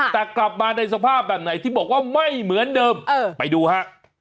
แต่กลับมาในสภาพแบบไหนที่บอกว่าไม่เหมือนเดิมไปดูฮะ